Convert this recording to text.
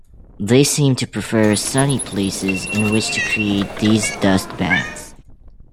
They seem to prefer sunny places in which to create these dust baths.